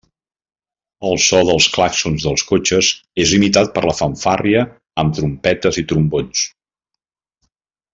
El so dels clàxons dels cotxes és imitat per la fanfàrria, amb trompetes i trombons.